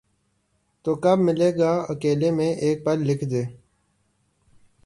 تو کب ملے گا اکیلے میں ایک پل لکھ دے